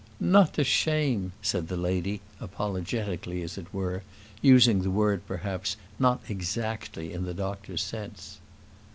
"Not to shame," said the lady, apologetically, as it were, using the word perhaps not exactly in the doctor's sense.